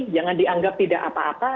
jangan dianggap tidak apa apa